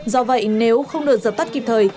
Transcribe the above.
do vậy nếu không được giật tắt kịp thời